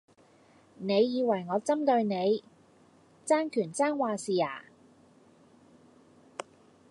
你以為我針對你,爭權爭話事呀?